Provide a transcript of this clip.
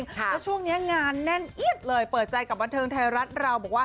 โถ่ช่วงนี้งานแน่นเอียดคอเปิดใจกลับบันเทิงไทยรัฐเรา